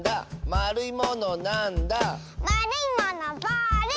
「まるいものなんだ？」